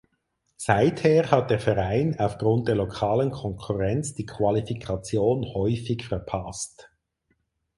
Seither hat der Verein aufgrund der lokalen Konkurrenz die Qualifikation häufig verpasst.